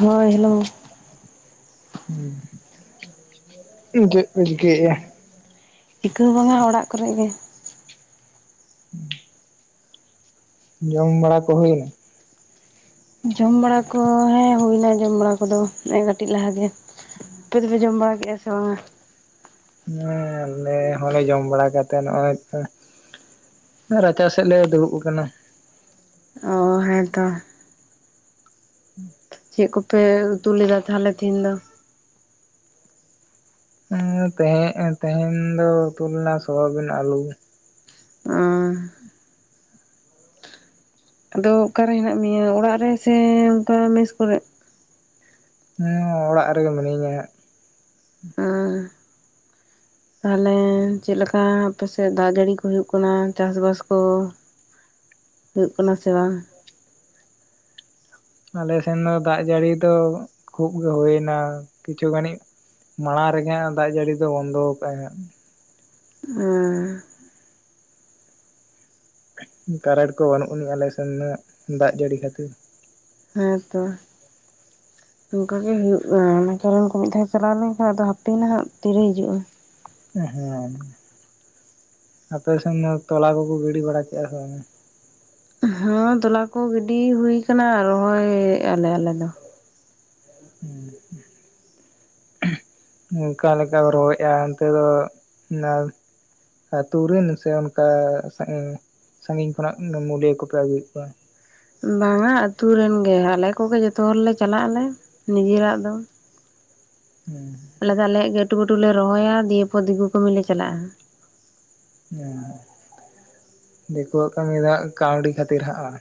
ᱦᱳᱭ ᱦᱮᱞᱳ᱾ ᱦᱩᱸ ᱪᱮᱜ ᱯᱮ ᱪᱤᱠᱟᱹᱭᱮᱜ-ᱟ? ᱴᱤᱠᱟᱹ ᱦᱚ ᱵᱟᱝᱟ ᱚᱲᱟᱜ ᱠᱚᱨᱮ ᱜᱮ᱾ ᱦᱩᱸ᱾ ᱡᱚᱢ ᱵᱟᱲᱟ ᱠᱚ ᱦᱩᱭᱮᱱᱟ? ᱡᱚᱢ ᱵᱟᱲᱟ ᱠᱚ ᱦᱮᱸ ᱦᱩᱭᱱᱟ ᱡᱚᱢ ᱵᱟᱲᱟ ᱠᱚᱫᱚ ᱱᱮᱜ-ᱮ ᱠᱟᱹᱴᱤᱡ ᱞᱟᱦᱟ ᱜᱮ ᱾ ᱟᱯᱮ ᱫᱚᱞᱮ ᱡᱚᱢ ᱵᱟᱲᱟ ᱠᱮᱫᱼᱟ ᱥᱮ ᱵᱟᱝ? ᱦᱮᱸ ᱟᱞᱮ ᱦᱚᱸᱞᱮ ᱡᱚᱢ ᱵᱟᱲᱟ ᱠᱟ ᱱᱚᱜᱼᱚᱭ ᱛᱚ ᱨᱟᱪᱟ ᱥᱮᱫ ᱞᱮ ᱫᱩᱲᱩᱵ ᱟᱠᱟᱱᱟ᱾ ᱚᱻ ᱦᱮᱸᱛᱚ᱾ [inaudible] ᱪᱮᱫ ᱠᱚᱯᱮ ᱩᱛᱩ ᱞᱮᱫᱟ ᱛᱟᱦᱞᱮ ᱛᱮᱦᱮᱧ ᱫᱚ? ᱩᱸ ᱛᱟᱦᱮᱸ ᱛᱟᱦᱮᱧ ᱫᱚ ᱩᱛᱩ ᱞᱮᱱᱟ ᱥᱚᱣᱟᱵᱤᱱ ᱟᱞᱩ᱾ ᱚᱻ ᱟᱫᱚ ᱚᱠᱟᱨᱮ ᱦᱮᱱᱟᱜ ᱢᱮᱭᱟ ᱚᱲᱟᱜ ᱨᱮ ᱥᱮ ᱚᱱᱠᱟ ᱢᱮᱥ ᱠᱚᱨᱮ? ᱦᱮᱸ ᱚᱲᱟᱜ ᱨᱮᱜᱮ ᱢᱤᱱᱟᱹᱧᱟ ᱦᱟᱜ᱾ ᱦᱚᱸ᱾ [unintelligible] ᱛᱟᱦᱚᱞᱮ ᱪᱮᱫ ᱞᱮᱠᱟ ᱟᱯᱮ ᱥᱮᱫ ᱫᱟᱜ ᱡᱟᱹᱲᱤ ᱠᱚ ᱦᱩᱭᱩᱜ ᱠᱟᱱᱟ ᱪᱟᱥ ᱵᱟᱥ ᱠᱚ? ᱦᱩᱭᱩᱜ ᱠᱟᱱᱟ ᱥᱮ ᱵᱟᱝ? ᱟᱞᱮᱥᱮᱱ ᱫᱚ ᱫᱟᱜ ᱡᱟᱹᱲᱤ ᱫᱚ ᱠᱷᱩᱵ ᱜᱮ ᱦᱩᱭ ᱮᱱᱟ ᱠᱤᱪᱷᱩ ᱜᱟᱱᱤᱡ ᱢᱟᱲᱟᱝ ᱨᱮᱜᱮ ᱦᱟᱸᱜ ᱫᱟᱜ ᱡᱟᱹᱲᱤ ᱫᱚ ᱵᱚᱱᱫᱚ ᱟᱠᱟᱫᱟᱭ ᱦᱟᱜ᱾ ᱚᱸᱻ ᱠᱟᱨᱮᱱᱴ ᱠᱚ ᱵᱟᱹᱱᱩᱜ ᱟᱹᱱᱤᱡ ᱟᱞᱮ ᱥᱮᱱ ᱫᱚ ᱫᱟᱜ ᱡᱟᱹᱲᱤ ᱠᱷᱟᱹᱛᱤᱨ᱾ ᱦᱮᱸ ᱛᱚ ᱾ ᱚᱱᱠᱟ ᱜᱮ ᱦᱩᱭᱩᱜ-ᱟ ᱚᱱᱟ ᱠᱟᱨᱮᱱ ᱠᱚ ᱢᱤᱫ ᱫᱷᱟᱣ ᱪᱟᱞᱟᱣ ᱞᱮᱱᱠᱷᱟᱱ ᱟᱫᱚ ᱦᱟᱯᱮ ᱱᱟᱦᱟᱜ ᱛᱤᱨᱮ ᱦᱤᱡᱩᱜ-ᱟ᱾ ᱦᱮᱸ ᱾ [inaudible] ᱟᱯᱮ ᱥᱮᱱ ᱫᱚ ᱛᱚᱞᱟ ᱠᱚᱠᱚ ᱜᱤᱰᱤ ᱵᱟᱲᱟ ᱠᱮᱫ-ᱟ ᱥᱮ ᱵᱟᱝ? ᱦᱮᱸ ᱛᱚᱞᱟ ᱠᱚ ᱜᱤᱰᱤ ᱦᱩᱭ ᱟᱠᱟᱱᱟ ᱨᱚᱦᱚᱭᱮᱜ ᱟᱞᱮ ᱟᱞᱮ ᱫᱚ᱾ ᱦᱮᱸ᱾ ᱚᱱᱠᱟ ᱞᱮᱠᱟᱢ ᱨᱚᱦᱚᱭᱮᱜ-ᱟ ᱚᱱᱛᱮ ᱫᱚ [unintelligible] ᱟᱛᱩ ᱨᱮᱱ ᱥᱮ ᱚᱱᱠᱟ ᱥᱟᱺᱜᱤᱧ ᱥᱟᱺᱜᱤᱧ ᱠᱷᱚᱱᱟᱜ ᱢᱩᱞᱭᱟᱹ ᱠᱚᱯᱮ ᱟᱹᱜᱩᱭᱮᱫ ᱠᱚᱣᱟ? ᱵᱟᱝᱟ ᱟᱛᱳ ᱨᱮᱱ ᱜᱮ ᱟᱞᱮ ᱠᱚᱜᱮ ᱡᱚᱛᱚ ᱦᱚᱲᱞᱮ ᱪᱟᱞᱟᱜ ᱟᱞᱮ ᱱᱤᱡᱮᱨᱟᱜ ᱫᱚ᱾ ᱦᱩᱸ ᱾ ᱟᱞᱮ ᱫᱚ ᱟᱞᱮᱭᱟᱜ ᱜᱮ ᱟᱴᱩ ᱯᱟᱴᱩ ᱞᱮ ᱨᱚᱦᱚᱭᱟ ᱫᱤᱭᱮ ᱯᱚᱨ ᱫᱤᱠᱩ ᱠᱟᱹᱢᱤ ᱞᱮ ᱪᱟᱞᱟᱜ-ᱟ ᱾ ᱩᱸ ᱦᱩᱸ [inaudible] ᱫᱤᱠᱳᱣᱟᱜ ᱠᱟᱹᱢᱤ ᱫᱚ ᱠᱟᱹᱣᱰᱤ ᱠᱷᱟᱹᱛᱤᱨ ᱦᱟᱸᱜ ᱵᱟᱝ?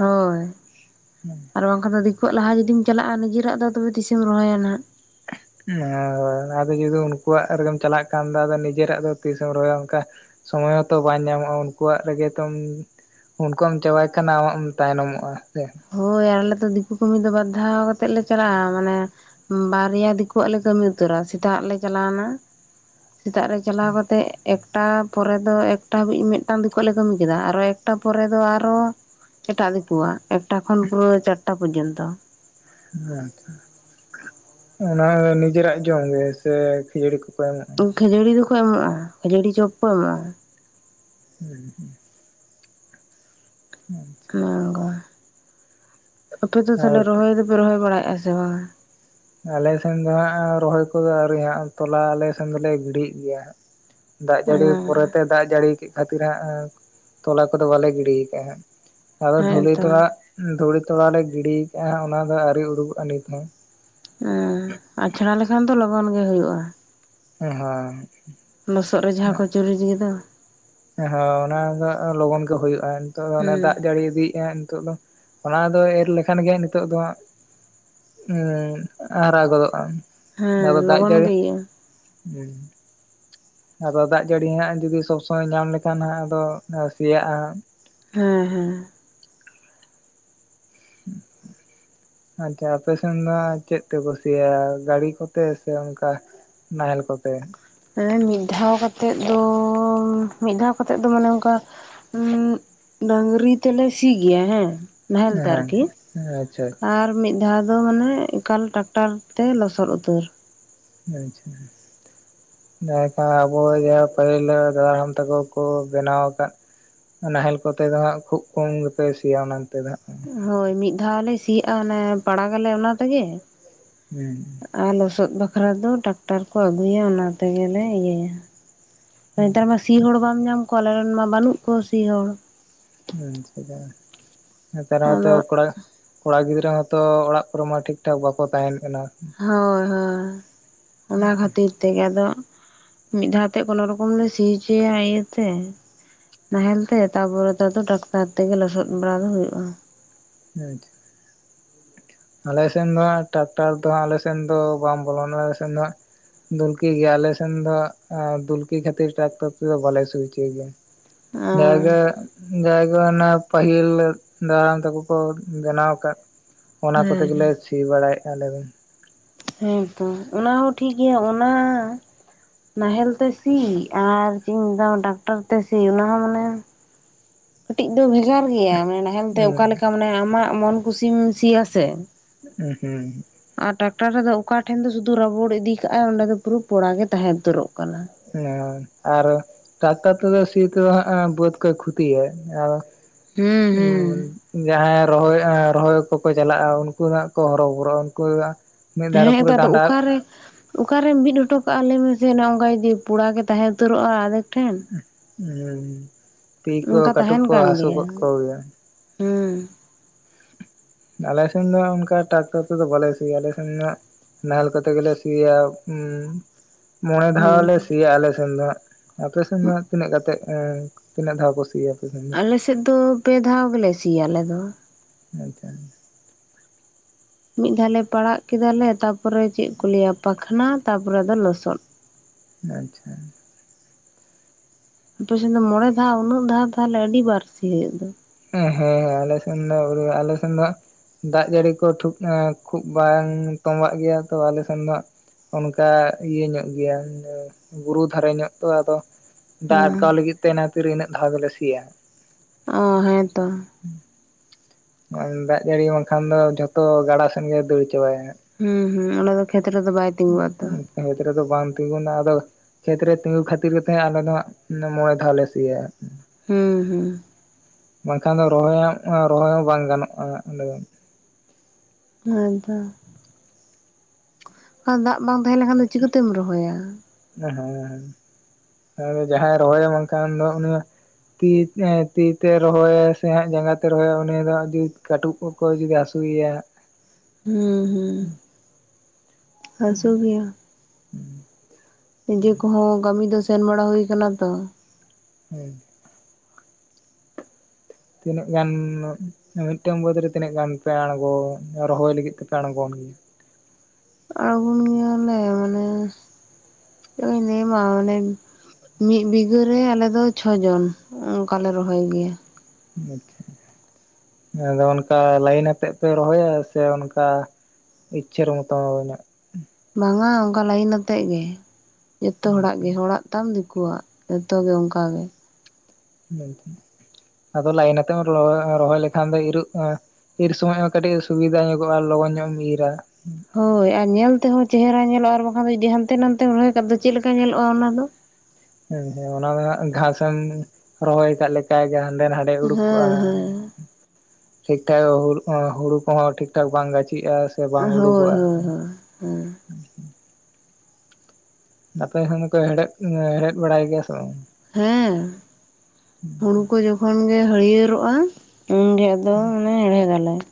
ᱦᱳᱭ [inaudible] ᱟᱨ ᱵᱟᱝᱠᱷᱟᱱ ᱫᱤ ᱠᱩᱣᱟᱜ ᱞᱟᱦᱟ ᱡᱩᱫᱤᱢ ᱪᱟᱞᱟᱜ-ᱟ ᱱᱤᱡᱮᱨᱟᱜ ᱫᱚ ᱛᱚᱵᱮ ᱛᱤᱥᱮᱢ ᱨᱚᱦᱚᱭᱟ ᱱᱟᱦᱟᱜ ᱾ [unintelligible] ᱟᱫᱚ ᱡᱩᱫᱤ ᱩᱱᱠᱩᱣᱟᱜ ᱨᱮᱜᱮᱢ ᱪᱟᱞᱟᱜ ᱠᱷᱟᱱ ᱫᱚ ᱱᱤᱡᱮᱨᱟᱜ ᱫᱚ ᱛᱤᱥᱮᱢ ᱨᱚᱦᱚᱭᱟ ᱚᱱᱠᱟ ᱥᱚᱢᱚᱭ ᱢᱟᱛᱚ ᱵᱟᱝ ᱧᱟᱢᱚᱜ-ᱟ ᱩᱱᱠᱩᱣᱟᱜ ᱨᱮᱜᱮ ᱛᱚᱢ ᱩᱱᱠᱩᱣᱟᱜ ᱮᱢ ᱪᱟᱵᱟᱭ ᱠᱷᱟᱱ ᱟᱢ ᱦᱟᱸᱜ ᱮᱢ ᱛᱟᱭᱱᱚᱢᱚᱜ-ᱟ ᱦᱮᱸ ᱥᱮ ᱾ ᱦᱳᱭ ᱟᱨ ᱟᱞᱮ ᱫᱚ ᱫᱤᱠᱩ ᱠᱟᱹᱢᱤ ᱫᱚ ᱵᱟᱨᱫᱷᱟᱣ ᱠᱟᱛᱮᱜ ᱞᱮ ᱪᱟᱞᱟᱜ-ᱟ ᱢᱟᱱᱮ ᱵᱟᱨᱭᱟ ᱫᱤᱠᱩᱣᱟᱜ ᱞᱮ ᱠᱟᱹᱢᱤ ᱩᱛᱟᱹᱨᱟ ᱥᱮᱛᱟᱜ ᱨᱮᱞᱮ ᱪᱟᱞᱟᱣᱮᱱᱟ [inaudible] ᱥᱮᱛᱟᱜ ᱨᱮ ᱪᱟᱞᱟᱣ ᱠᱟᱛᱮᱜ ᱮᱠᱴᱟ ᱯᱚᱨᱮ ᱫᱚ ᱮᱠᱴᱟ ᱦᱟᱹᱵᱤᱡ ᱢᱤᱫᱴᱟᱝ ᱫᱤᱠᱩᱣᱟᱜ ᱞᱮ ᱠᱟᱹᱢᱤ ᱠᱮᱫᱟ ᱟᱨᱚ ᱮᱠᱴᱟ ᱯᱚᱨᱮ ᱫᱚ ᱟᱨᱚ ᱮᱴᱟᱜ ᱫᱤᱠᱩᱣᱟᱜ ᱮᱠᱴᱟ ᱠᱷᱚᱱ ᱯᱩᱨᱟᱹ ᱪᱟᱴᱴᱟ ᱯᱚᱡᱚᱱᱛᱚ᱾ ᱟᱪᱪᱷᱟ ᱾ [inaudible] ᱚᱱᱟ ᱜᱮ ᱱᱤᱡᱮᱨᱟᱜ ᱡᱚᱢ ᱜᱮ ᱥᱮ ᱠᱷᱟᱹᱡᱟᱹᱲᱤ ᱠᱚᱠᱚ ᱮᱢᱚᱜ ᱠᱷᱟᱹᱡᱟᱹᱲᱤ ᱫᱚᱠᱚ ᱮᱢᱚᱜ-ᱟ ᱠᱷᱟᱹᱡᱟᱹᱲᱤ ᱪᱚᱯ ᱠᱚ ᱮᱢᱚᱜ-ᱟ᱾ ᱦᱩᱸ ᱦᱩᱸ ᱾ ᱚᱱᱮ ᱚᱝᱜᱟ [inaudible] ᱟᱯᱮ ᱫᱚ ᱟᱨ ᱛᱟᱦᱞᱮ ᱨᱚᱦᱚᱭ ᱫᱚᱯᱮ ᱨᱚᱦᱚᱭ ᱵᱟᱲᱟᱭᱮᱫ-ᱟ ᱥᱮ ᱵᱟᱝᱟ? ᱟᱞᱮᱥᱮᱱ ᱫᱚ ᱦᱟᱸᱜ ᱨᱚᱦᱚᱭ ᱠᱚᱫᱚ ᱟᱹᱣᱨᱤ ᱦᱟᱸᱜ ᱛᱚᱞᱟ ᱟᱞᱮ ᱥᱮᱱ ᱫᱚᱞᱮ ᱜᱤᱲᱤᱭᱮᱫ ᱜᱮᱭᱟ ᱦᱟᱸᱜ᱾ ᱫᱟᱜ ᱦᱮᱸ ᱡᱟᱹᱲᱤ ᱯᱚᱨᱮᱛᱮ ᱫᱟᱜ ᱡᱟᱹᱲᱤ ᱠᱮᱫ ᱠᱷᱟᱹᱛᱤᱨ ᱦᱟᱸᱜ ᱮᱸᱜ ᱛᱚᱞᱟ ᱠᱚᱫᱚ ᱵᱟᱞᱮ ᱜᱤᱲᱤ ᱠᱟᱜ-ᱟ ᱦᱟᱸᱜ᱾ ᱟᱫᱚ ᱫᱷᱩᱞᱤ ᱦᱮᱸᱛᱚ ᱛᱚᱲᱟ ᱩᱸᱜ ᱫᱷᱩᱞᱤ ᱛᱚᱲᱟ ᱞᱮ ᱜᱤᱲᱤ ᱠᱟᱜ-ᱟ ᱦᱟᱸᱜ ᱚᱱᱟ ᱫᱚ ᱟᱣᱨᱤ ᱩᱲᱩᱠᱚᱜ-ᱟ ᱱᱤᱛ ᱦᱚᱸ᱾ ᱩᱸᱻ ᱟᱪᱷᱟᱲᱟ ᱞᱮᱠᱷᱟᱱ ᱫᱚ ᱞᱚᱜᱚᱱ ᱜᱮ ᱦᱩᱭᱩᱜ-ᱟ᱾ ᱩᱸ ᱦᱳᱭ ᱾ ᱞᱚᱥᱚᱫ ᱨᱮ ᱡᱟᱦᱟᱸ ᱠᱚ ᱪᱩᱨᱩᱡᱽ ᱜᱮᱫᱚ ᱮᱸ ᱦᱚᱸ ᱚᱱᱟ ᱫᱚ ᱞᱚᱜᱚᱱ ᱜᱮ ᱦᱳᱭᱳᱜ-ᱟ ᱱᱤᱛᱚᱜ ᱫᱚ ᱚᱱᱮ ᱦᱮᱸ ᱫᱟᱜ ᱡᱟᱹᱲᱤ ᱤᱫᱤᱭᱮᱜ-ᱟ ᱱᱤᱛᱚᱜ ᱫᱚ᱾ ᱚᱱᱟ ᱫᱚ ᱮᱨ ᱞᱮᱠᱷᱟᱱ ᱜᱮ ᱱᱤᱛᱚᱜ ᱫᱚ ᱦᱟᱸᱜ ᱩᱸᱜ ᱦᱟᱨᱟ ᱜᱚᱫᱚᱜ-ᱟ᱾ ᱦᱮᱸ ᱟᱫᱚ ᱫᱟᱜ ᱞᱚᱜᱚᱱ ᱡᱟᱹᱲᱤ ᱜᱮ ᱤᱭᱟᱹᱜᱼᱟ [inaudible] ᱦᱩᱸ ᱟᱫᱚ ᱫᱟᱜ ᱡᱟᱹᱲᱤ ᱦᱟᱸᱜ ᱡᱩᱫᱤ ᱥᱚᱵᱽ ᱥᱚᱢᱚᱭ ᱧᱟᱢ ᱞᱮᱠᱷᱟᱱ ᱦᱟᱸᱜ ᱟᱫᱚ ᱥᱮᱭᱟᱜ-ᱟ ᱦᱟᱸᱜ᱾ ᱦᱮᱸ ᱦᱮᱸ᱾ [inaudible] ᱟᱪᱪᱷᱟ ᱟᱯᱮ ᱥᱮᱱ ᱫᱚ ᱪᱮᱫ ᱛᱮ ᱠᱚ ᱥᱤᱭᱟ ᱜᱟᱲᱤ ᱠᱚᱛᱮ ᱥᱮ ᱚᱱᱠᱟ ᱱᱟᱦᱮᱞ ᱠᱚᱛᱮ? ᱦᱮᱸ ᱢᱤᱫ ᱫᱷᱟᱣ ᱠᱟᱛᱮᱫ ᱫᱚ ᱢᱤᱫ ᱫᱷᱟᱣ ᱠᱟᱛᱮᱫ ᱫᱚ ᱢᱟᱱᱮ ᱚᱱᱠᱟ ᱩᱸᱜ ᱰᱟᱝᱨᱤ ᱛᱮᱞᱮ ᱥᱤ ᱜᱤᱭᱟ ᱦᱮᱸ᱾ ᱱᱟᱦᱮᱞ ᱛᱮ ᱟᱨᱠᱤ ᱟᱪᱪᱷᱟ ᱟᱪᱪᱷᱟ [inaudible] ᱟᱨ ᱢᱤᱫ ᱫᱷᱟᱣ ᱫᱚ ᱢᱟᱱᱮ ᱮᱠᱟᱞ ᱴᱟᱠᱴᱟᱨ ᱛᱮ ᱞᱚᱥᱚᱫ ᱩᱛᱟᱹᱨ᱾ ᱟᱪᱪᱷᱟ᱾ ᱱᱮᱭ ᱴᱟᱜ ᱟᱵᱚ ᱡᱟᱦᱟᱸ ᱯᱟᱹᱦᱤᱞᱟ ᱫᱟᱫᱟᱦᱟᱲᱟᱢ ᱛᱟᱠᱚ ᱠᱚ ᱵᱮᱱᱟᱣ ᱟᱠᱟᱫ ᱱᱟᱦᱮᱞ ᱠᱚᱛᱮ ᱫᱚ ᱦᱟᱸᱜ ᱠᱷᱩᱜ ᱠᱚᱢ ᱜᱮᱯᱮ ᱥᱤᱭᱟ ᱚᱱᱟ ᱚᱱᱛᱮ ᱫᱚ ᱦᱟᱸᱜ᱾ ᱦᱳᱭ ᱢᱤᱫ ᱫᱷᱟᱣ ᱞᱮ ᱥᱤᱭᱟᱜᱼᱟ ᱚᱱᱮ ᱯᱟᱲᱟᱜ ᱟᱞᱮ ᱚᱱᱟ ᱛᱮᱜᱮ᱾ ᱦᱩᱸ᱾ ᱟᱨ ᱞᱚᱥᱚᱫ ᱵᱟᱠᱷᱨᱟ ᱫᱚ ᱴᱟᱠᱴᱟᱨ ᱠᱚ ᱟᱜᱩᱭᱟ ᱚᱱᱟ ᱛᱮ ᱜᱮᱞᱮ ᱤᱭᱟᱹᱭᱟ᱾ ᱱᱮᱛᱟᱨ ᱢᱟ ᱥᱤ ᱦᱚᱲ ᱵᱟᱢ ᱧᱟᱢ ᱠᱚᱣᱟ ᱟᱞᱮ ᱨᱮᱱ ᱢᱟ ᱵᱟᱱᱩᱜ ᱠᱚ ᱥᱤ ᱦᱚᱲ᱾ ᱩᱱ ᱥᱮᱫᱟᱭ, ᱱᱮᱛᱟᱨ ᱢᱟᱛᱚ ᱟᱫᱚ ᱠᱚᱲᱟ ᱠᱚᱲᱟ ᱜᱤᱫᱽᱨᱟᱹ ᱦᱚᱸᱛᱚ ᱚᱲᱟᱜ ᱠᱚᱨᱮ ᱢᱟ ᱴᱷᱤᱠ ᱴᱷᱟᱠ ᱵᱟᱠᱚ ᱛᱟᱦᱮᱱ ᱠᱟᱱᱟ᱾ ᱟᱪᱪᱷᱟ ᱦᱳᱭ ᱦᱳᱭ, ᱚᱱᱟ ᱠᱷᱟᱹᱛᱤᱨ ᱛᱮᱜᱮ ᱟᱫᱚ, ᱢᱤᱫ ᱫᱷᱟᱣ ᱛᱮ ᱠᱚᱱᱚ ᱨᱚᱠᱚᱢ ᱞᱮ ᱥᱤ ᱦᱚᱪᱚᱭᱟ ᱤᱭᱟᱹᱛᱮ᱾ ᱱᱟᱦᱮᱞ ᱛᱮ ᱛᱟᱯᱚᱨᱮ ᱛᱮ ᱫᱚ ᱰᱟᱠᱛᱟᱨ ᱛᱮᱜᱮ ᱞᱚᱥᱚᱫ ᱵᱟᱲᱟ ᱫᱚ ᱦᱳᱭᱳᱜᱼᱟ᱾ ᱳ ᱟᱪᱷᱟ᱾ ᱟᱞᱮ ᱥᱮᱱ ᱫᱚ ᱴᱨᱟᱠᱴᱟᱨ ᱫᱚᱦᱟᱜ ᱟᱞᱮ ᱥᱮᱱ ᱫᱚ ᱵᱟᱝ ᱵᱚᱞᱚᱱᱟ ᱥᱮ ᱚᱱ ᱫᱚ ᱫᱷᱩᱞᱠᱤ ᱜᱮᱭᱟ ᱟᱞᱮ ᱥᱮᱱ ᱫᱚ ᱫᱷᱩᱞᱠᱤ ᱠᱷᱟᱹᱛᱤᱨ ᱴᱨᱟᱠᱴᱚᱨ ᱛᱮᱫᱚ ᱵᱟᱞᱮ ᱥᱤ ᱦᱚᱪᱚᱭ ᱜᱮᱭᱟ ᱾ ᱟᱨ ᱡᱟᱜᱮ ᱡᱟᱭᱜᱮ ᱚᱱᱟ ᱯᱟᱹᱦᱤᱞ ᱫᱟᱫᱟ ᱦᱟᱲᱟᱢ ᱛᱟᱠᱚ ᱠᱚ ᱵᱮᱱᱟᱣ ᱟᱠᱟᱫ᱾ ᱚᱱᱟ ᱠᱚᱛᱮ ᱦᱮᱸ ᱜᱮᱞᱮ ᱦᱮᱸ ᱥᱤ ᱵᱟᱲᱟᱭᱮᱫᱼᱟ ᱟᱞᱮ ᱫᱚ ᱾ ᱦᱮᱸ ᱛᱚ ᱚᱱᱟ ᱦᱚᱸ ᱴᱷᱤᱠ ᱜᱮᱭᱟ ᱚᱱᱟ ᱱᱟᱦᱮᱞ ᱛᱮ ᱥᱤ ᱟᱨ ᱪᱮᱫ ᱤᱧ ᱢᱮᱛᱟᱢᱟ ᱴᱨᱟᱠᱴᱟᱨ ᱛᱮ ᱥᱤ ᱚᱱᱟ ᱦᱚᱸ ᱢᱟᱱᱮ ᱠᱟᱹᱴᱤᱡ ᱫᱚ ᱵᱷᱮᱜᱟᱨ ᱜᱮᱭᱟ ᱢᱟᱱᱮ ᱱᱟᱦᱮᱞ ᱛᱮ ᱚᱠᱟᱞᱮᱠᱟ ᱢᱟᱱᱮ ᱟᱢᱟᱜ ᱢᱚᱱ ᱠᱩᱥᱤᱢ ᱥᱤᱭᱟᱥᱮ ᱦᱩᱸ ᱦᱩᱸ᱾ ᱟᱨ ᱴᱨᱟᱠᱴᱟᱨ ᱨᱮᱫᱚ ᱚᱠᱟ ᱴᱷᱮᱱ ᱫᱚ ᱥᱩᱫᱷᱩ ᱨᱟᱵᱚᱲ ᱤᱫᱤ ᱠᱟᱜᱼᱟᱭ ᱚᱸᱰᱮ ᱫᱚ ᱯᱩᱨᱟᱹ ᱯᱚᱲᱟᱜ ᱜᱮ ᱛᱟᱦᱮᱸ ᱩᱛᱟᱹᱨᱚᱜ ᱠᱟᱱᱟ ᱾ ᱦᱮᱸ ᱟᱨ ᱴᱨᱟᱠᱴᱟᱨ ᱛᱮᱫᱚ ᱥᱤᱛᱚ ᱵᱟᱹᱫᱽ ᱠᱚᱭ ᱠᱷᱚᱛᱤ ᱤᱫᱤᱭᱟ ᱟᱨ ᱦᱩᱸ ᱩᱻ ᱦᱩᱸ ᱡᱟᱦᱟᱸᱭ ᱨᱚᱦᱚᱭ ᱠᱚᱠᱚ ᱪᱟᱞᱟᱜᱼᱟ ᱩᱱᱠᱩ ᱠᱚ ᱦᱚᱨᱚ ᱵᱚᱨᱚᱜᱼᱟ ᱩᱱᱠᱩ ᱢᱤᱫ ᱫᱷᱟᱨᱮ ᱦᱮᱸ ᱮ ᱯᱩᱨᱟᱹ ᱟᱫᱚ ᱰᱟᱸᱰᱟ ᱚᱠᱟᱨᱮ? ᱚᱠᱟᱨᱮᱢ ᱵᱤᱫ ᱦᱚᱴᱚ ᱠᱟᱜᱼᱟ ᱞᱮᱢᱮᱥᱮ ᱚᱱᱮ ᱚᱱᱠᱟ ᱡᱩᱫᱤ ᱯᱚᱲᱟᱜ ᱜᱮ ᱛᱟᱦᱮᱸᱩᱛᱳᱨᱚᱜᱼᱟ ᱟᱫᱷᱮᱠ ᱴᱷᱮᱱ᱾ ᱛᱤ ᱠᱚ ᱚᱱᱠᱟ ᱠᱟᱹᱴᱩᱵ ᱠᱚ ᱦᱟᱹᱥᱩ ᱜᱚᱫ ᱠᱚᱜᱮᱭᱟ ᱾ ᱦᱮᱸᱻ ᱟᱞᱮ ᱥᱮᱱ ᱫᱚ ᱚᱱᱠᱟ ᱴᱨᱟᱠᱴᱟᱨ ᱛᱮ ᱫᱚ ᱵᱟᱞᱮ ᱥᱤᱭᱟ ᱟᱞᱮ ᱥᱮᱱ ᱫᱚ ᱦᱟᱜ ᱱᱟᱦᱮᱞ ᱠᱚᱛᱮ ᱜᱮᱞᱮ ᱥᱤᱭᱟ ᱾ ᱢᱚᱬᱮ ᱫᱷᱟᱣ ᱞᱮ ᱦᱮᱸᱛᱚ ᱥᱤᱭᱟ ᱟᱞᱮᱥᱮᱱ ᱫᱚ ᱦᱟᱜ ᱾ ᱟᱯᱮᱥᱮᱱ ᱫᱚ ᱛᱤᱱᱟᱹᱜ ᱠᱟᱛᱮᱫ? ᱛᱤᱱᱟᱹᱜ ᱫᱷᱟᱣ ᱠᱚ ᱥᱤᱭᱟ ᱟᱯᱮ ᱥᱮᱫ? ᱟᱞᱮ ᱥᱮᱫ ᱫᱚ ᱯᱮ ᱫᱷᱟᱣ ᱜᱮᱞᱮ ᱥᱤᱭᱟ ᱟᱞᱮ ᱫᱚ᱾ ᱦᱳᱭ ᱛᱚ᱾ ᱢᱤᱫ ᱫᱷᱟᱣ ᱞᱮ ᱯᱟᱲᱟᱜ ᱠᱮᱫᱟᱞᱮ ᱛᱟᱯᱚᱨᱮ ᱪᱮᱫ ᱠᱚ ᱞᱟᱹᱭᱟ ᱯᱟᱠᱷᱱᱟ ᱛᱟᱯᱚᱨᱮ ᱟᱫᱚ ᱞᱚᱥᱚᱫ ᱾ ᱟᱪᱪᱷᱟ᱾ ᱟᱯᱮ ᱥᱮᱱ ᱫᱚ ᱢᱚᱬᱮ ᱫᱷᱟᱣ ᱩᱱᱟᱹᱜ ᱫᱷᱟᱣ ᱛᱟᱦᱚᱞᱮ ᱟᱹᱰᱤ ᱵᱟᱹᱲᱥᱤ ᱦᱩᱭᱩᱜ ᱫᱚ ᱾ ᱦᱮᱸ ᱦᱮᱸ ᱦᱮᱸ ᱟᱞᱮᱥᱮᱱ ᱟᱞᱮ ᱥᱮᱱ ᱫᱚ ᱱᱟᱜ ᱫᱟᱜ ᱡᱟᱹᱲᱤ ᱠᱚ ᱠᱷᱩᱵ ᱵᱟᱝ ᱛᱚᱸᱵᱟᱜ ᱜᱮᱭᱟ ᱛᱚ ᱟᱞᱮ ᱥᱮᱱ ᱫᱚ᱾ ᱚᱱᱠᱟ ᱤᱭᱟᱹ ᱧᱚᱜ ᱜᱮᱭᱟ ᱵᱩᱨᱩ ᱫᱷᱟᱨᱮ ᱧᱚᱜ ᱛᱚ ᱟᱫᱚ ᱫᱟᱜ ᱦᱮᱸ ᱟᱴᱠᱟᱣ ᱞᱟᱹᱜᱤᱫ ᱛᱮ ᱚᱱᱟᱠᱷᱟᱛᱤᱨ ᱤᱱᱟᱹᱜ ᱫᱷᱟᱣ ᱜᱮᱞᱮ ᱥᱤᱭᱟ᱾ ᱚ ᱦᱮᱸ ᱛᱚ᱾ [inaudible] ᱫᱟᱜ ᱡᱟᱹᱲᱤ ᱵᱟᱝᱠᱷᱟᱱ ᱫᱚ ᱡᱷᱚᱛᱚ ᱜᱟᱰᱟ ᱥᱮᱫ ᱜᱮ ᱫᱟᱹᱲ ᱪᱟᱵᱟᱭᱟ ᱦᱟᱸᱜ᱾ ᱦᱩᱸ ᱦᱩᱸ ᱚᱱᱟ ᱫᱚ ᱠᱷᱮᱛ ᱨᱮᱫᱚ ᱵᱟᱭᱼᱼ ᱠᱷᱮᱛ ᱨᱮ ᱫᱚ ᱵᱟᱝ ᱛᱤᱸᱜᱩᱱᱟ ᱟᱫᱚᱼᱼ ᱠᱷᱮᱛ ᱨᱮ ᱛᱤᱸᱜᱩ ᱠᱷᱟᱹᱛᱤᱨᱛᱮ ᱟᱞᱮ ᱫᱚ ᱢᱚᱬᱮ ᱫᱷᱟᱣ ᱞᱮ ᱥᱤᱭᱟ᱾ ᱦᱮᱸ ᱦᱮᱸ ᱵᱟᱝᱠᱷᱟᱱ ᱨᱚᱦᱚᱭ ᱨᱚᱦᱚᱭ ᱦᱚᱸ ᱵᱟᱝ ᱜᱟᱱᱚᱜᱼᱟ ᱚᱸᱰᱮ ᱫᱚ᱾ ᱟᱨ ᱫᱟᱜ ᱫᱟᱜ ᱵᱟᱝ ᱛᱟᱦᱮᱸᱞᱮᱠᱷᱟᱱ ᱫᱚ ᱪᱤᱠᱟᱹᱛᱮᱢ ᱨᱚᱦᱚᱭᱟ? ᱦᱮᱸ ᱦᱮᱸ ᱦᱮᱸ ᱟᱨ ᱡᱟᱦᱟᱸᱭ ᱨᱚᱦᱚᱭᱟ ᱵᱟᱝᱠᱷᱟᱱ ᱫᱚ ᱩᱱᱤᱟᱜᱼᱼ ᱛᱤ ᱛᱤᱛᱮ ᱨᱚᱦᱚᱭᱟᱭ ᱥᱮ ᱦᱟᱸᱜ ᱡᱟᱸᱜᱟ ᱛᱮ ᱨᱚᱦᱚᱭᱟ ᱩᱱ ᱫᱚ ᱟᱹᱰᱤ ᱠᱟᱹᱴᱩᱵᱼᱼ ᱠᱚ ᱠᱚ ᱡᱩᱫᱤ ᱦᱟᱥᱩᱭ ᱼᱭᱟ᱾ ᱦᱩᱸ ᱦᱩᱸ ᱦᱟᱹᱥᱩ ᱜᱮᱭᱟ᱾ ᱱᱤᱡᱮ ᱠᱚᱦᱚᱸ ᱠᱟᱹᱢᱤ ᱫᱚ ᱥᱮᱱ ᱵᱟᱲᱟ ᱦᱩᱭ ᱟᱠᱟᱱᱟ ᱛᱚ᱾ ᱦᱮᱸ ᱛᱤᱱᱟᱹᱜ ᱜᱟᱱ [inaudible] ᱢᱤᱫᱴᱟᱹᱝ ᱵᱟᱹᱫᱽ ᱨᱮ ᱛᱤᱱᱟᱹᱜ ᱜᱟᱱ ᱯᱮ ᱟᱬᱜᱚ ᱨᱚᱦᱚᱭ ᱞᱟᱹᱜᱤᱫ ᱛᱮᱯᱮ ᱟᱬᱜᱚᱱ ᱜᱮᱭᱟ? ᱟᱸᱲᱜᱚᱱ ᱜᱮᱭᱟᱞᱮ ᱢᱟᱱᱮ ᱪᱮᱫ ᱤᱧ ᱞᱟᱹᱭᱟᱢᱟ ᱢᱟᱱᱮᱼᱼ ᱢᱤᱫ ᱵᱤᱜᱷᱟᱹᱨᱮ ᱟᱞᱮ ᱫᱚ ᱪᱷᱚᱡᱚᱱ ᱚᱱᱠᱟᱞᱮ ᱨᱚᱦᱚᱭ ᱜᱮᱭᱟ। ᱟᱪᱪᱷᱟ। ᱟᱫᱚ ᱚᱱᱠᱟ ᱞᱟᱭᱤᱱ ᱟᱛᱮᱜ ᱯᱮ ᱨᱚᱦᱚᱭᱟ ᱥᱮ ᱚᱱᱠᱟ ᱤᱪᱪᱟᱹᱨᱟᱹ [inaudible] ᱵᱟᱝᱟ ᱚᱱᱠᱟ ᱞᱟᱭᱤᱱ ᱟᱛᱮᱫ ᱜᱮ ᱡᱚᱛᱚ ᱦᱚᱲᱟᱜ ᱜᱮ ᱟᱪᱪᱷᱟ ᱦᱚᱲᱟᱜ। ᱛᱟᱢ ᱫᱤᱠᱩᱣᱟᱜ ᱡᱚᱛᱚ ᱜᱮ ᱚᱱᱠᱟᱜ ᱜᱮ। ᱦᱮᱸ ᱟᱫᱚ ᱞᱟᱭᱤᱱᱟᱛᱮᱢ ᱨᱚᱦᱚᱭ ᱞᱮᱠᱷᱟᱱ ᱫᱚ ᱤᱨᱚᱜ ᱤᱨ ᱥᱚᱢᱚᱭ ᱦᱚᱸ ᱠᱟᱹᱴᱤᱡ ᱥᱩᱵᱤᱫᱟ ᱧᱚᱜᱚᱜᱼᱟ ᱞᱚᱜᱚᱱ ᱧᱚᱜ ᱮᱢ ᱤᱨᱟ। ᱦᱳᱭ ᱟᱨ ᱧᱮᱞ ᱛᱮᱦᱚᱸ ᱪᱮᱦᱨᱟ ᱧᱮᱞᱚᱜᱼᱟ ᱦᱳᱭ ᱧᱮ ᱛᱮᱦᱚᱸ ᱪᱮᱦᱮᱨᱟᱭ ᱧᱮᱞᱚᱼᱟ ᱟᱨ ᱵᱟᱝᱠᱷᱟᱱ ᱫᱚ ᱡᱩᱫᱤ ᱦᱟᱱᱛᱮ ᱱᱟᱛᱮᱢ ᱨᱚᱦᱚᱭ ᱟᱠᱟᱜ ᱫᱚ ᱪᱮᱫ ᱞᱮᱠᱟ ᱧᱮᱞᱚᱜᱼᱟ ᱚᱱᱟ ᱫᱚ? ᱦᱮᱸ ᱦᱮᱸ ᱚᱱᱟ ᱫᱚ ᱱᱟᱜ ᱜᱷᱟᱥᱮᱢ ᱨᱚᱦᱚᱭ ᱟᱠᱟᱜ ᱞᱮᱠᱟ ᱜᱮ ᱦᱟᱸᱰᱮ ᱱᱟᱰᱮ ᱫᱮ ᱦᱮᱸ ᱩᱰᱩᱠᱚᱜᱼᱟ ᱦᱮᱸ ᱴᱷᱤᱠ ᱴᱷᱟᱠ ᱦᱩ ᱚᱸ ᱦᱩᱲᱩ ᱠᱚᱦᱚᱸ ᱴᱷᱤᱠ ᱴᱷᱟᱠ ᱵᱟᱝ ᱜᱟᱪᱷᱤᱜᱼᱟ। ᱥᱮ ᱵᱟᱝ ᱦᱳᱭ ᱩᱰᱩᱠᱚᱜᱼᱟ। ᱦᱳᱭ ᱦᱳᱭ ᱦᱮᱸ ᱟᱯᱮ ᱥᱮᱱ ᱫᱚᱠᱚ ᱦᱮᱲᱦᱮᱫ ᱦᱮᱲᱦᱮᱫ ᱵᱟᱲᱟᱭ ᱜᱮᱭᱟ ᱥᱮ ᱵᱟᱝ। ᱦᱮᱸ ᱦᱩᱲᱩ ᱠᱚ ᱡᱚᱠᱷᱚᱱ ᱜᱮ ᱦᱟᱹᱨᱭᱟᱹᱨᱚᱜᱼᱟ ᱩᱱᱜᱮ। ᱫᱚ ᱢᱟᱱᱮ ᱦᱮᱲᱮᱫ ᱫᱟᱞᱮ।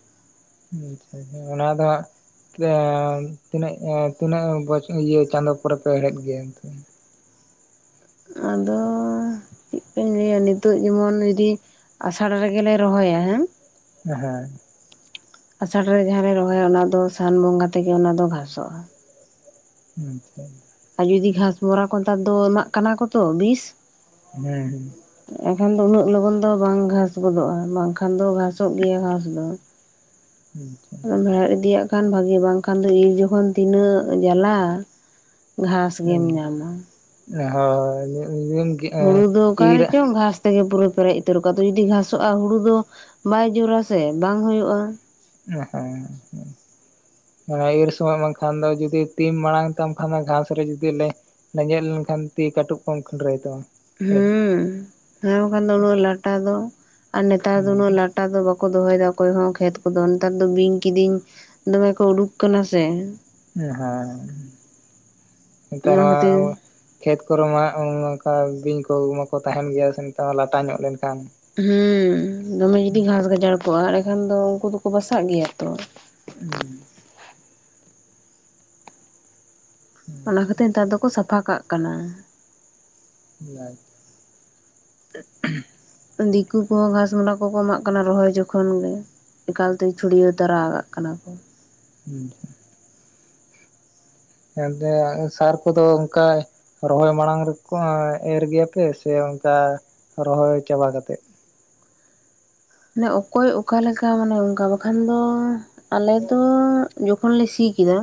ᱟᱪᱪᱷᱟ ᱟᱪᱪᱷᱟ ᱚᱱᱟ ᱫᱚ ᱦᱟᱸᱜ ᱛᱤᱱᱟᱹᱜ ᱮ ᱛᱤᱱᱟᱹᱜ ᱵᱚᱪᱷ ᱤᱭᱟᱹ ᱪᱟᱸᱫᱳ ᱯᱚᱨᱮ ᱯᱮ ᱦᱮᱲᱦᱮᱫ ᱜᱮᱭᱟ ᱮᱱᱛᱮ? ᱟᱫᱚ ᱪᱮᱫ ᱞᱮᱠᱟᱧ ᱞᱟᱹᱭᱟ ᱱᱤᱛᱚᱜ ᱡᱮᱢᱚᱱ ᱡᱩᱫᱤ ᱟᱥᱟᱲ ᱨᱮᱜᱮᱞᱮ ᱨᱚᱦᱚᱭᱟ ᱦᱮᱸ। ᱦᱮᱸ। ᱟᱥᱟᱲ ᱨᱮ ᱡᱟᱦᱟᱸ ᱞᱮ ᱨᱚᱦᱚᱭᱟ ᱚᱱᱟ ᱫᱚ ᱥᱟᱱ ᱵᱚᱸᱜᱟ ᱛᱮᱜᱮ ᱚᱱᱟ ᱫᱚ ᱜᱷᱟᱥᱚᱜᱼᱟ। ᱟᱪᱪᱷᱟ ᱟᱨ ᱡᱩᱫᱤ ᱜᱷᱟᱥᱢᱚᱨᱟ ᱠᱚ ᱱᱮᱛᱟᱨ ᱫᱚ ᱮᱢᱟᱜ ᱠᱟᱱᱟ ᱠᱚ ᱛᱚ ᱵᱤᱥ ᱦᱮᱸ ᱦᱩᱸ। ᱮᱱᱠᱷᱟᱱ ᱫᱚ ᱩᱱᱟᱹᱜ ᱞᱚᱜᱚᱱ ᱫᱚ ᱵᱟᱝ ᱜᱷᱟᱥ ᱜᱚᱫᱚᱜᱼᱟ ᱵᱟᱝᱠᱷᱟᱱ ᱫᱚ ᱜᱷᱟᱥᱚᱜ ᱜᱮᱭᱟ ᱜᱷᱟᱥ ᱫᱚ। ᱟᱪᱪᱷᱟ। ᱟᱢ ᱦᱮᱲᱮᱫ ᱤᱫᱤᱭᱟᱜ ᱠᱷᱟᱱ ᱵᱷᱟᱜᱤ ᱵᱟᱝᱠᱷᱟᱱ ᱫᱚ ᱤᱨ ᱡᱚᱠᱷᱚᱱ ᱛᱤᱱᱟᱹᱜ ᱡᱟᱞᱟ। ᱜᱷᱟᱥ ᱜᱮᱢ ᱟᱪᱪᱷᱟ ᱧᱟᱢᱟ ᱦᱳᱭ ᱦᱩᱲᱩ ᱫᱚ ᱤᱨ ᱚᱠᱟᱨᱮ ᱪᱚᱝ ᱜᱷᱟᱥ ᱛᱮᱜᱮ ᱯᱩᱨᱟᱹ ᱯᱮᱨᱮᱡ ᱩᱛᱟᱹᱨ ᱠᱚᱜᱼᱟ, ᱡᱩᱫᱤ ᱜᱷᱟᱥᱚᱜᱼᱟ ᱦᱩᱲᱩ ᱫᱚ ᱵᱟᱭ ᱡᱳᱨ ᱟᱥᱮ ᱵᱟᱝ ᱦᱩᱭᱩᱜᱼᱟ। [inaudible] ᱚᱸ। ᱢᱟᱱᱮ ᱤᱨ ᱥᱚᱢᱚᱭ ᱵᱟᱝᱠᱷᱟᱱ ᱫᱚ ᱡᱩᱫᱤ ᱛᱤᱢ ᱢᱟᱲᱟᱝ ᱛᱟᱢ ᱠᱷᱟᱱ ᱫᱚ ᱜᱷᱟᱸᱥ ᱨᱮ ᱡᱩᱫᱤ ᱞᱮ ᱞᱮᱸᱡᱮᱫ ᱞᱮᱱᱠᱷᱟᱱ ᱛᱤ ᱠᱟᱹᱴᱩᱵ ᱠᱚᱢ ᱠᱷᱟᱹᱱᱰᱨᱟᱹᱭ ᱛᱟᱢᱟ। ᱦᱮᱸ ᱦᱩᱸ ᱦᱮᱸ ᱵᱟᱠᱷᱟᱱ ᱫᱚ ᱩᱱᱟᱹᱜ ᱞᱟᱴᱟ ᱫᱚ ᱟᱨ ᱱᱮᱛᱟᱨ ᱫᱚ ᱩᱱᱟᱹᱜ ᱞᱟᱴ ᱴᱟ ᱫᱚ ᱵᱟᱠᱚ ᱫᱚᱦᱚᱭᱮᱫᱟ ᱚᱠᱚᱭ ᱦᱚᱸ ᱠᱷᱮᱛ ᱠᱚᱫᱚ ᱱᱮᱛᱟᱨ ᱫᱚ ᱵᱤᱧ ᱠᱤᱫᱤᱧ ᱫᱚᱢᱮ ᱠᱚ ᱩᱰᱩᱠ ᱠᱟᱱᱟ ᱥᱮ। ᱮ ᱦᱮᱸ ᱱᱮᱛᱟᱨ ᱚᱱᱟ ᱢᱟ ᱠᱷᱟᱹᱛᱤᱨ ᱠᱷᱮᱛ ᱠᱚᱨᱮ ᱢᱟ ᱚᱝᱠᱟ ᱵᱤᱧ ᱠᱚ ᱢᱟᱠᱚ ᱛᱟᱦᱮᱱ ᱜᱮᱭᱟ ᱥᱮ ᱱᱮᱛᱟᱨ ᱢᱟ ᱞᱟᱴᱟ ᱧᱚᱜ ᱞᱮᱱᱠᱷᱟᱱ᱾ ᱦᱩᱸ ᱫᱚᱢᱮ ᱡᱩᱫᱤ ᱜᱷᱟᱥ ᱜᱟᱡᱟᱲ ᱠᱚᱜᱼᱟ, ᱮᱸᱰᱮᱠᱷᱟᱱ ᱫᱚ ᱩᱱᱠᱩ ᱫᱚᱠᱚ ᱵᱟᱥᱟᱜ ᱜᱮᱭᱟ ᱛᱚ। ᱩᱸ। ᱚᱱᱟ ᱠᱷᱟᱹᱛᱤᱨ ᱱᱮᱛᱟᱨ ᱫᱚᱠᱚ ᱥᱟᱯᱷᱟ ᱠᱟᱜ ᱠᱟᱱᱟ। [unintelligible] ᱫᱤᱠᱩ ᱠᱚᱦᱚᱸ ᱜᱷᱟᱥᱢᱚᱰᱟ ᱠᱚᱠᱚ ᱮᱢᱟᱜ ᱠᱟᱱᱟ, ᱨᱚᱦᱚᱭ ᱡᱚᱠᱷᱚᱱ ᱜᱮ। ᱮᱠᱟᱞᱛᱮ ᱪᱷᱩᱰᱭᱟᱹᱣ ᱛᱟᱨᱟ ᱠᱟᱜ ᱠᱟᱱᱟ ᱠᱚ। ᱦᱩᱸ ᱮᱱᱛᱮ ᱥᱟᱨ ᱠᱚᱫᱚ ᱚᱝᱠᱟ ᱨᱚᱦᱚᱭ ᱢᱟᱲᱟᱝ ᱨᱮᱠᱚ ᱮᱨ ᱜᱮᱭᱟᱯᱮ ᱥᱮ ᱚᱱᱠᱟ ᱨᱚᱦᱚᱭ ᱪᱟᱵᱟ ᱠᱟᱛᱮᱜ? ᱢᱟᱱᱮ ᱚᱠᱚᱭ ᱚᱠᱟᱞᱮ ᱞᱮᱠᱟ ᱢᱟᱱᱮ ᱚᱝᱠᱟ ᱵᱟᱠᱷᱟᱱ ᱫᱚ ᱟᱞᱮ ᱫᱚ ᱡᱚᱠᱷᱚᱱ ᱞᱮ ᱥᱤ ᱠᱮᱫᱟ,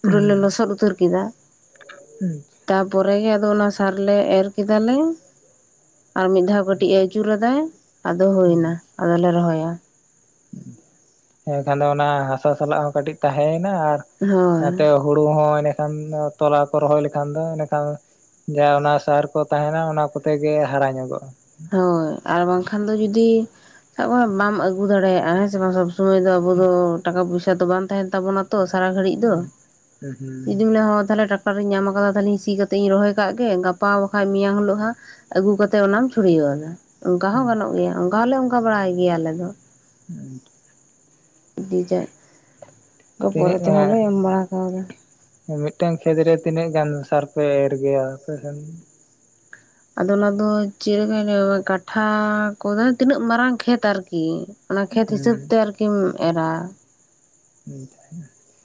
ᱯᱩᱨᱟᱹ ᱞᱮ ᱦᱩᱸ ᱞᱚᱥᱚᱫ ᱩᱛᱟᱹᱨ ᱠᱮᱫᱟ ᱦᱩᱸ, ᱛᱟᱯᱚᱨᱮ ᱜᱮ ᱟᱫᱚ ᱚᱱᱟ ᱥᱟᱨ ᱞᱮ ᱮᱨ ᱠᱮᱫᱟᱞᱮ ᱟᱨ ᱢᱤᱫ ᱫᱷᱟᱣ ᱠᱟᱹᱴᱤᱡ ᱮ ᱟᱹᱪᱩᱨ ᱟᱫᱟᱭ, ᱟᱫᱚ ᱦᱳᱭᱱᱟ ᱟᱫᱚᱞᱮ ᱨᱚᱦᱚᱭᱟ᱾ ᱮᱠᱷᱮᱱᱫᱚ ᱚᱱᱟ ᱦᱟᱥᱟ ᱥᱟᱞᱟᱜ ᱦᱚᱸ ᱠᱟᱹᱴᱤᱡ ᱛᱟᱦᱮᱸᱭᱮᱱᱟ, ᱟᱨ ᱦᱳᱭ ᱱᱟᱛᱮ ᱦᱚ ᱦᱩᱲᱩ ᱦᱚᱸ ᱮᱸᱰᱮᱠᱷᱟᱱ ᱫᱚ ᱛᱚᱞᱟ ᱠᱚ ᱨᱚᱦᱚᱭ ᱞᱮᱠᱷᱟᱱ ᱫᱚ ᱮᱸᱰᱮᱠᱷᱟᱱ ᱡᱟ ᱚᱱᱟ ᱥᱟᱨ ᱠᱚ ᱛᱟᱦᱮᱱᱟ ᱚᱱᱟ ᱠᱚᱛᱮ ᱜᱮ ᱦᱟᱨᱟ ᱧᱚᱜᱚᱜᱼᱟ᱾ ᱦᱳᱭ, ᱟᱨ ᱵᱟᱝᱠᱷᱟᱱ ᱫᱚ ᱡᱩᱫᱤ ᱥᱟᱵ ᱠᱟᱜ ᱢᱮ ᱵᱟᱢ ᱟᱹᱜᱩ ᱫᱟᱲᱮᱭᱟᱜᱼᱟ, ᱦᱮᱸ ᱥᱮ ᱵᱟᱝ ᱥᱚᱵ ᱥᱚᱢᱚᱭ ᱫᱚ ᱟᱵᱚ ᱫᱚ ᱴᱟᱠᱟ ᱯᱚᱭᱥᱟ ᱛᱚ, ᱵᱟᱝ ᱛᱟᱦᱮᱱ ᱛᱟᱵᱚᱱᱟ ᱛᱚ ᱥᱟᱨᱟ ᱜᱷᱟᱹᱲᱤᱡ ᱫᱚ᱾ ᱡᱩᱫᱤᱢ ᱞᱮᱭᱟ ᱦᱚᱸ ᱛᱟᱦᱚᱞᱮ ᱴᱟᱠ ᱴᱟᱨ ᱤᱧ ᱧᱟᱢ ᱟᱠᱟᱫᱟ ᱛᱟᱦᱚᱞᱮᱧ ᱥᱤ ᱠᱟᱛᱮᱜ ᱤᱧ ᱨᱚᱦᱚᱭ ᱠᱟᱜ ᱜᱮ, ᱜᱟᱯᱟ ᱵᱟᱠᱟᱡ ᱢᱮᱭᱟᱝ ᱦᱳᱞᱳᱜ ᱦᱟᱸᱜ ᱟᱸᱜᱩ ᱠᱟᱛᱮ ᱚᱱᱟᱢ ᱪᱷᱩᱲᱭᱟᱹᱣ ᱟᱞᱮ, ᱚᱝᱠᱟ ᱦᱚᱸ ᱜᱟᱱᱚᱜ ᱜᱮᱭᱟ ᱚᱝᱠᱟ ᱦᱚᱸᱞᱮ ᱚᱝᱠᱟ ᱵᱟᱲᱟᱭ ᱜᱮᱭᱟ ᱟᱞᱮ ᱫᱚ᱾ [inaudible] ᱫᱤᱡᱟᱜ ᱛᱚ ᱯᱚᱨᱮ ᱛᱤᱱᱟᱹᱜ ᱛᱮᱦᱚᱸᱞᱮ ᱮᱢ ᱵᱟᱲᱟ ᱠᱟᱣᱫᱟ᱾ ᱢᱤᱫᱴᱟᱝ ᱠᱷᱮᱛ ᱨᱮ ᱛᱤᱱᱟᱹᱜ ᱜᱟᱱ ᱥᱟᱨ ᱯᱮ ᱮᱨ ᱜᱮᱭᱟ ᱟᱯᱮ ᱥᱮᱱ? ᱟᱫᱚ ᱚᱱᱟ ᱫᱚ ᱪᱮᱫ ᱮᱠᱟᱧ ᱞᱟᱹᱭᱟᱢᱟ ᱠᱟᱴᱷᱟ ᱠᱚᱫᱟ ᱛᱤᱱᱟᱹᱜ ᱢᱟᱨᱟᱝ ᱠᱷᱮᱛ ᱟᱨᱠᱤ ᱚᱱᱟ ᱠᱷᱮᱛ ᱦᱤᱥᱟᱹᱵ ᱛᱮ ᱟᱨᱠᱤᱢ ᱮᱨᱟ᱾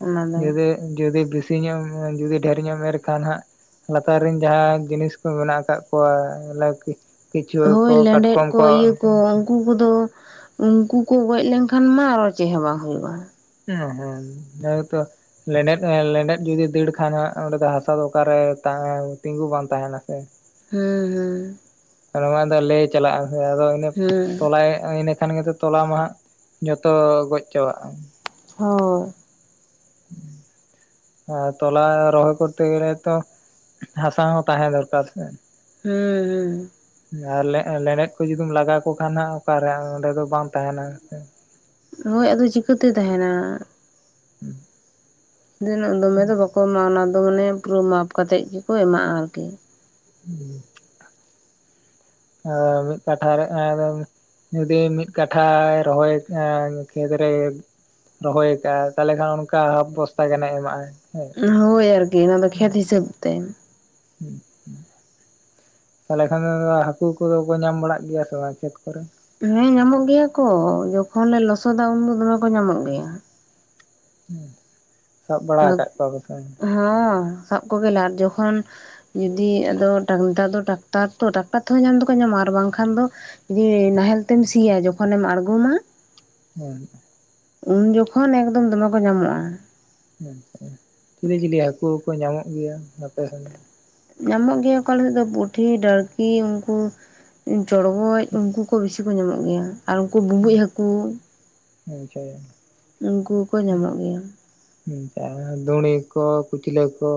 ᱚᱱᱟ ᱫᱚ ᱡᱩᱫᱤ ᱡᱩᱫᱤ ᱵᱤᱥᱤ ᱧᱚᱜᱼᱮᱢ ᱡᱩᱫᱤ ᱰᱷᱮᱨ ᱧᱚᱜ ᱮᱢ ᱮᱨ ᱠᱷᱟᱱ ᱦᱟᱸᱜ ᱞᱟᱛᱟᱨ ᱨᱮᱱ ᱡᱟᱦᱟᱸ ᱡᱤᱱᱤᱥ ᱠᱚ ᱢᱮᱱᱟᱜ ᱟᱠᱟᱜ ᱠᱚᱣᱟ ᱞᱟᱣᱠᱤ ᱦᱳᱭ ᱞᱮᱸᱰᱮᱫ ᱠᱚ ᱤᱭᱟᱹ ᱠᱚ ᱠᱩ ᱠᱚᱫᱚ, ᱩᱝᱠᱩ ᱠᱚ ᱜᱚᱡ ᱞᱮᱝᱠᱷᱟᱱ ᱢᱟ ᱟᱨᱚ ᱪᱮᱜ ᱦᱚᱸ ᱵᱟᱝ ᱦᱩᱭᱩᱜᱼᱟ᱾ ᱚᱸ ᱦᱚ ᱤᱱᱟᱹ ᱜᱮᱛᱚ ᱞᱮᱸᱰᱮᱫ ᱮᱸ ᱞᱮᱸᱰᱮᱫ ᱡᱩᱫᱤ ᱫᱟᱹᱲ ᱠᱷᱟᱱ ᱦᱟᱸᱜ ᱚᱸᱰᱮ ᱫᱚ ᱦᱟᱥᱟ ᱫᱚ ᱚᱠᱟᱨᱮ ᱛᱟᱸᱦᱮ ᱛᱤᱸᱜᱩ ᱵᱟᱝ ᱛᱟᱦᱮᱱᱟ ᱥᱮ᱾ ᱦᱩᱸ ᱦᱩᱸ ᱛᱟᱞᱮ ᱚᱱᱟ ᱫᱚ ᱞᱮᱭ ᱪᱟᱞᱟᱜ ᱟᱥᱮ ᱟᱫᱚ ᱤᱱᱟᱹ ᱦᱩᱸ ᱦᱩᱸ ᱛᱚᱞᱟᱭ ᱤᱱᱟᱹ ᱠᱷᱟᱱ ᱜᱮᱛᱚ ᱛᱚᱞᱟ ᱢᱟᱦᱟᱜ ᱡᱚᱛᱚ ᱜᱚᱡ ᱪᱟᱵᱟᱜᱼᱟ᱾ ᱦᱳᱭ᱾ [inaudible] ᱟᱨ ᱛᱚᱞᱟ ᱨᱚᱦᱚᱭ ᱠᱚᱨᱛᱮ ᱜᱮᱞᱮ ᱛᱚ ᱦᱟᱸᱥᱟ ᱦᱚᱸ ᱛᱟᱦᱮᱸ ᱫᱚᱨᱠᱟᱨ ᱥᱮ᱾ ᱦᱮᱸ ᱦᱮᱸ᱾ ᱟᱨ ᱞᱮᱸᱜ-ᱞᱮᱸᱰᱮᱫ ᱠᱚ ᱡᱩᱫᱤᱢ ᱞᱟᱜᱟ ᱠᱚ ᱠᱷᱟᱱ ᱱᱟᱦᱟᱜ ᱚᱠᱟᱨᱮ ᱚᱸᱰᱮ ᱫᱚ ᱵᱟᱝ ᱛᱟᱦᱮᱱᱟ ᱥᱮ᱾ ᱦᱳᱭ, ᱟᱫᱚ ᱪᱤᱠᱟᱹᱛᱮ ᱛᱟᱦᱮᱱᱟ᱾ [inaudible] ᱛᱤᱱᱟᱹᱜ ᱫᱚᱢᱮ ᱫᱚ ᱵᱟᱠᱚ ᱮᱢᱟᱜᱼᱟ ᱚᱱᱟ ᱫᱚ ᱢᱟᱱᱮ ᱯᱩᱨᱟᱹ ᱢᱟᱯ ᱠᱟ ᱠᱟᱛᱮᱜ ᱜᱮᱠᱚ ᱮᱢᱟᱜᱼᱟ ᱟᱨᱠᱤ᱾ ᱦᱩᱸ᱾ ᱟ ᱢᱤᱫ ᱠᱟᱴᱷᱟ ᱨᱮ ᱚᱱᱟ ᱫᱚᱢ ᱡᱩᱫᱤ ᱢᱤᱫ ᱠᱟᱴᱷᱟᱭ ᱨᱚᱦᱚᱭ ᱟᱸ ᱠᱷᱮᱛᱨᱮ ᱨᱚᱦᱚᱭ ᱠᱟᱜᱼᱟ ᱛᱟᱦᱚᱞᱮ ᱠᱷᱟᱱ ᱚᱱᱠᱟ ᱦᱟᱵ ᱵᱚᱥᱛᱟ ᱜᱟᱱᱮ ᱮᱢᱟᱜᱼᱟᱭ᱾ ᱦᱳᱭ ᱟᱨᱠᱤ ᱤᱱᱟᱹ ᱫᱚ ᱠᱷᱮᱛ ᱦᱤᱥᱟᱹᱵ ᱛᱮ᱾ ᱦᱮᱸ ᱦᱮᱸ᱾ ᱛᱟᱦᱚᱞᱮ ᱠᱷᱟᱱ ᱫᱚ ᱟᱫᱚ ᱦᱟᱹᱠᱩ ᱠᱚᱫᱚ ᱠᱚ ᱧᱟᱢ ᱵᱟᱲᱟᱜ ᱜᱮᱭᱟ ᱥᱮ ᱵᱟᱝ ᱠᱷᱮᱛ ᱠᱚᱨᱮ? ᱦᱮᱸ ᱧᱟᱢᱚᱜ ᱜᱮᱭᱟ ᱠᱚ ᱡᱚᱠᱷᱚᱱ ᱞᱮ ᱞᱚᱥᱚᱫᱟ ᱩᱱ ᱫᱚ ᱫᱚᱢᱮ ᱠᱚ ᱧᱟᱢᱚᱜ ᱜᱮᱭᱟ᱾ ᱦᱮᱸ, ᱥᱟᱵ ᱵᱟᱲᱟᱣ ᱟᱠᱟᱜ ᱠᱚᱣᱟ ᱯᱮᱥᱮ ᱵᱟᱝ? ᱦᱚᱸ᱾ ᱥᱟᱵ ᱠᱚᱜᱮᱭᱟᱞᱮ ᱟᱨ ᱡᱚᱠᱷᱚᱱ ᱡᱩᱫᱤ ᱟᱫᱚ ᱴᱟᱠ ᱱᱮᱛᱟᱨ ᱫᱚ ᱴᱟᱠ ᱴᱟᱨ ᱛᱚ ᱴᱟᱠᱴᱟᱨ ᱛᱮᱦᱚᱸ ᱧᱟᱢ ᱫᱚᱠᱚ ᱧᱟᱢᱟ ᱟᱨ ᱵᱟᱝᱠᱷᱟᱱ ᱫᱚ ᱡᱮ ᱱᱟᱦᱮᱞ ᱛᱮᱢ ᱥᱤᱭᱟ ᱡᱚᱠᱷᱚᱱᱮᱢ ᱟᱬᱜᱚᱢᱟ ᱦᱮᱸ᱾ ᱩᱱ ᱡᱚᱠᱷᱚᱱ ᱮᱠᱫᱚᱢ ᱫᱚᱢᱮ ᱠᱚ ᱧᱟᱢᱚᱜᱼᱟ᱾ ᱪᱤᱞᱤ ᱪᱤᱞᱤ ᱦᱟᱹᱠᱩ ᱠᱚ ᱧᱟᱢᱚᱜ ᱜᱮᱭᱟ ᱟᱯᱮ ᱥᱮᱱ? ᱧᱟᱢᱚᱜ ᱜᱮᱭᱟ ᱠᱚ ᱟᱞᱮᱥᱮᱫ ᱫᱚ ᱯᱩᱴᱷᱤ, ᱰᱟᱹᱲᱠᱤ, ᱩᱱᱠᱩ ᱪᱚᱲᱜᱚᱡ ᱩᱱᱠᱩ ᱠᱚ ᱵᱤᱥᱤ ᱛᱤ ᱠᱚ ᱧᱟᱢᱚᱜ ᱜᱮᱭᱟ᱾ ᱟᱨ ᱩᱱᱠᱩ ᱵᱩᱸᱵᱩᱡ ᱦᱟᱹᱠᱩ ᱟᱪᱪᱷᱟ ᱩᱱᱠᱩ ᱠᱚ ᱠᱚ ᱧᱟᱢᱚᱜ ᱜᱮᱭᱟ᱾ [unintelligible] ᱫᱩᱲᱤ ᱠᱚ ᱠᱩᱪᱞᱟᱹ ᱠᱚ᱾